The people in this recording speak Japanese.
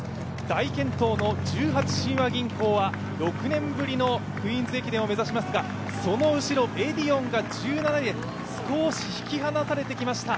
大健闘の十八親和銀行は６年ぶりのクイーンズ駅伝を目指しますが、その後ろ、エディオンが１７位で少し引き離されてきました。